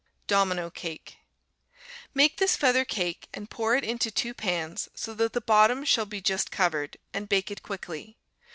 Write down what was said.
Domino Cake Make this feather cake and pour it into two pans, so that the bottom shall be just covered, and bake it quickly.